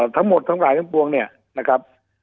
ทั้งหมดทั้งหลายทั้งปวงเนี่ยนะครับ